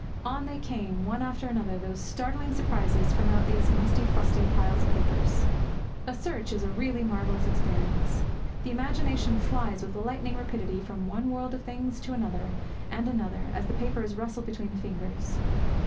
On they came, one after another, these startling surprises from out these musty fusty piles of papers. A search is really a marvellous experience. The imagination flies with lightning rapidity from one world of things to another and another as the papers rustle between the fingers.